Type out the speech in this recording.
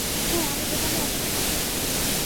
হ্যাঁ, আমি দোকানে আছি।